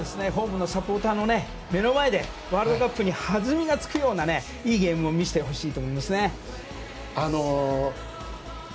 ホームのサポーターの目の前でワールドカップにはずみがつくようないいゲームを見せてほしいと思いますね。